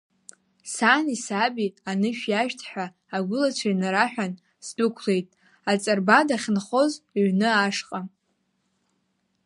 Сани саби анышә иашәҭ ҳәа агәылацәа инараҳәан, сдәықәлеит Аҵарба дахьынхоз иҩны ашҟа.